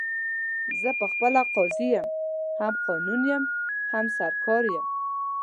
زه خپله قاضي یم، هم قانون یم، هم سرکار یمه